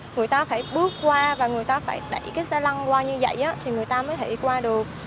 người ta phải bước qua và người ta phải đẩy cái xe lăng qua như vậy thì người ta mới thể qua được